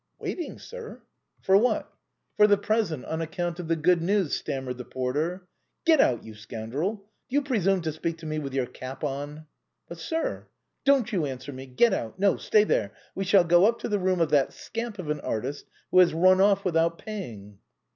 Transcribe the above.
" Waiting, sir." "For what?" " For the present, on account of the good news," stam mered the porter. " Get out, you scoundrel ! Do you presume to speak to me with your cap on ?" "But, sir—" " Don't you answer me ! Get out ! No, stay there ! We shall go up to the room of that scamp of an artist who has run off without paying."